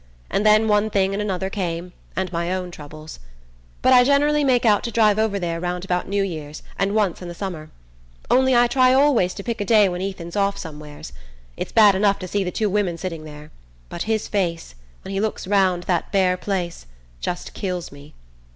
And then one thing and another came, and my own troubles... But I generally make out to drive over there round about New Year's, and once in the summer. Only I always try to pick a day when Ethan's off somewheres. It's bad enough to see the two women sitting there but his face, when he looks round that bare place, just kills me...